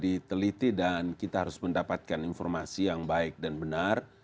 memang harus segera diteliti dan kita harus mendapatkan informasi yang baik dan benar